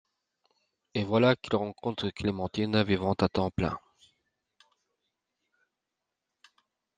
Et voilà qu'il rencontre Clémentine, vivante à temps plein.